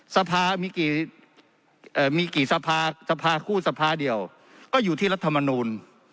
สภามีกี่สภาสภาคู่สภาเดียวก็อยู่ที่รัฐมนูล